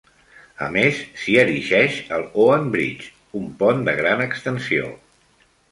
A més, s'hi erigeix el Hoan Bridge, un pont de gran extensió.